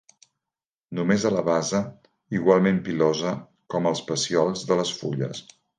Només a la base, igualment pilosa com els pecíols de les fulles.